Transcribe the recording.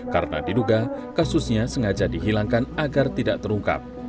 karena diduga kasusnya sengaja dihilangkan agar tidak terungkap